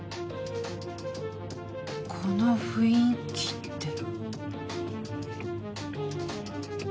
この雰囲気って。